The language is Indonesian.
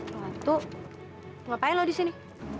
ratu ngapain lo disini